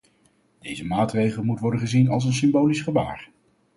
Deze maatregel moet worden gezien als een symbolisch gebaar.